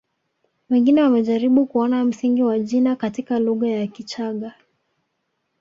Wengine wamejaribu kuona msingi wa jina katika lugha ya Kichaga